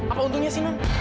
apa untungnya sih non